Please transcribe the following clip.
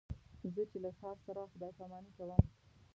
زه چې له هر ښار سره خدای پاماني کوم.